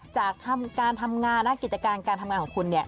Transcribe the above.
จากการทำงานและกิจการการทำงานของคุณ